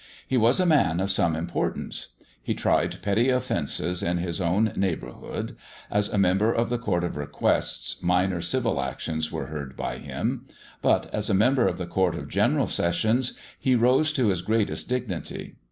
He was a man of some importance. He tried petty offences in his own neighbourhood; as a member of the Court of Requests, minor civil actions were heard by him; but, as a member of the Court of General Sessions, he rose to his greatest dignity.